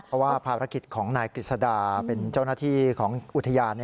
เพราะว่าภารกิจของนายกฤษดาเป็นเจ้าหน้าที่ของอุทยาน